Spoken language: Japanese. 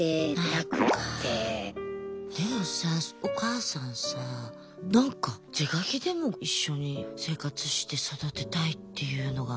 でもさお母さんさなんか是が非でも一緒に生活して育てたいっていうのがすごい強いもんね。